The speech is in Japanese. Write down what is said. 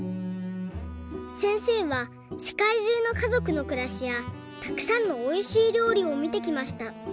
せんせいはせかいじゅうのかぞくのくらしやたくさんのおいしいりょうりをみてきました。